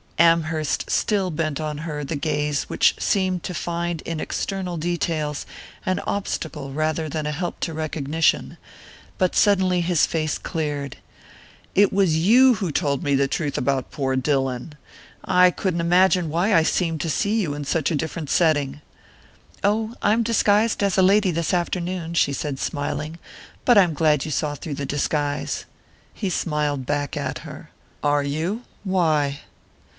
Amherst still bent on her the gaze which seemed to find in external details an obstacle rather than a help to recognition; but suddenly his face cleared. "It was you who told me the truth about poor Dillon! I couldn't imagine why I seemed to see you in such a different setting...." "Oh, I'm disguised as a lady this afternoon," she said smiling. "But I'm glad you saw through the disguise." He smiled back at her. "Are you? Why?"